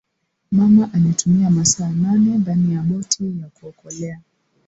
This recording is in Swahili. mama alitumia masaa nane ndani ya boti ya kuokolea